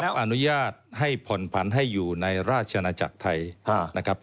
ได้รับอนุญาตให้ผ่อนผันให้อยู่ในราชนาจักรไทย